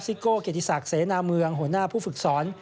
โก้เกียรติศักดิ์เสนาเมืองหัวหน้าผู้ฝึกสอน